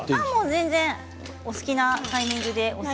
全然お好きなタイミングで。